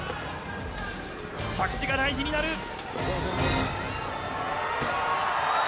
着地が大事になる。